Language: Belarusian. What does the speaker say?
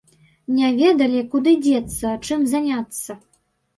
Не ведалі, куды дзецца, чым заняцца.